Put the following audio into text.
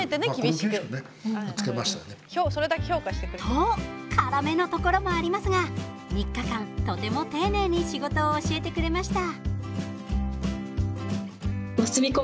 と、辛めのところもありますが３日間、とても丁寧に仕事を教えてくれました。